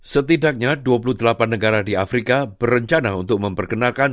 setidaknya dua puluh delapan negara di afrika berencana untuk memperkenalkan